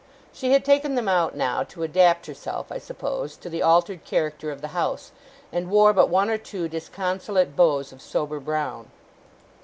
She had taken them out now, to adapt herself, I suppose, to the altered character of the house; and wore but one or two disconsolate bows of sober brown.